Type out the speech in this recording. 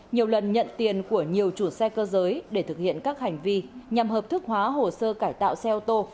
nhiều lần nhận tiền của nhiều chủ xe cơ giới để thực hiện các hành vi nhằm hợp thức hóa hồ sơ cải tạo xe ô tô